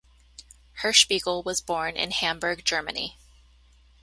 Hirschbiegel was born in Hamburg, Germany.